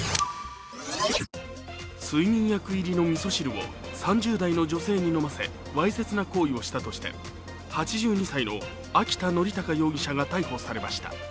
睡眠薬入りのみそ汁を３０代の女性に飲ませわいせつな行為をしたとして、８２歳の秋田憲隆容疑者が逮捕されました。